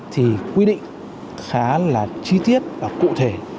thì quy định khá là chi tiết và cụ thể